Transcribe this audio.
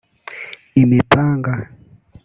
imipanga